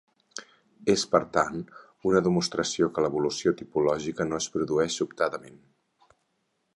És, per tant, una demostració que l'evolució tipològica no es produeix sobtadament.